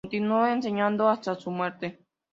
Continuó enseñando hasta su muerte.